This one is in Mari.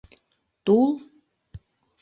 — Тул?